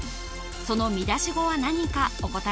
その見出し語は何かお答え